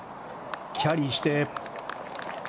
キャリーして。